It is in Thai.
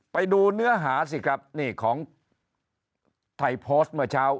ไปดูเนื้อหาสิครับนี่ของไทยโพสต์เมื่อเช้า